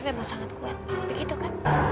kalian memang sangat kuat begitu kak